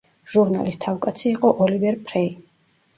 ჟურნალის თავკაცი იყო ოლივერ ფრეი.